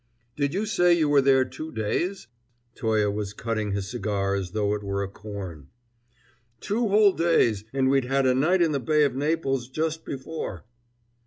"Did you say you were there two days?" Toye was cutting his cigar as though it were a corn. "Two whole days, and we'd had a night in the Bay of Naples just before."